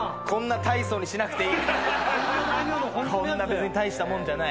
別に大したもんじゃない。